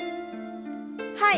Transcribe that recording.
はい。